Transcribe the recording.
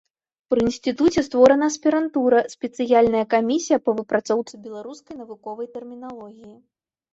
Пры інстытуце створана аспірантура, спецыяльная камісія па выпрацоўцы беларускай навуковай тэрміналогіі.